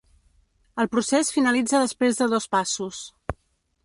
El procés finalitza després de dos passos.